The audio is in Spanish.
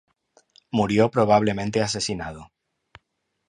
Murió probablemente asesinado.